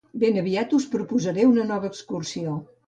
ben aviat us proposaré una nova excursió